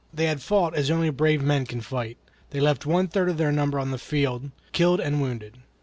They had fought as only brave men can fight; they left one third of their number on the field, killed and wounded.